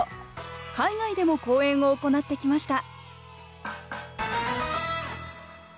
海外でも公演を行ってきました